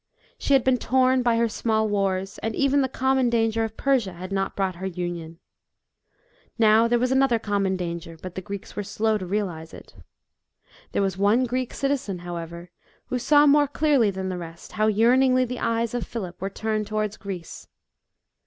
She had been torn by her small wars, and even the common danger of Persia had not brought her union. Now there was another common danger, but the Greeks were slow to realise it. There was one Greek citizen, how ever, who saw more clearly than the rest, how yearningly the eyes of Philip were turned towards Greece.